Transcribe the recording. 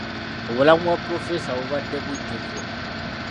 Obulamu bwa pulofeesa bubadde bujjuvu.